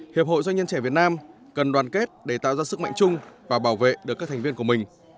hiệp hội doanh nhân trẻ việt nam cần đoàn kết để tạo ra sức mạnh chung và bảo vệ được các thành viên của mình